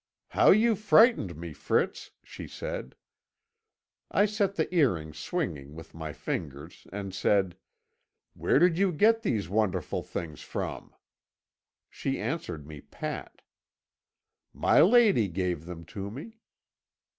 'How you frightened me, Fritz!' she said. I set the earrings swinging with my fingers and said, 'Where did you get these wonderful things from?' She answered me pat. 'My lady gave them to me.'